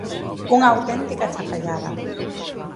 ¡Unha auténtica chafallada!